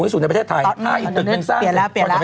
พี่รู้ไหมว่าความรักของคุณเวฟสารินเนี่ย